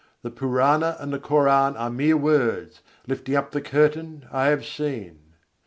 The Purâna and the Koran are mere words: lifting up the curtain, I have seen.